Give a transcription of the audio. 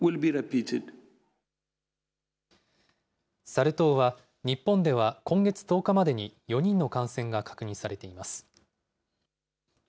サル痘は日本では今月１０日までに、４人の感染が確認されています。